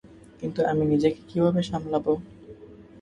কিন্তু আমি নিজেকে কীভাবে সামলাবো।